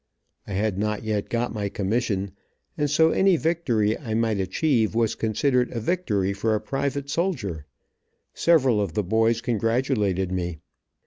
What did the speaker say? I had not yet got my commsssion, and so any victory I might achieve was considered a victory for a private soldier. Several of the boys congratulated me.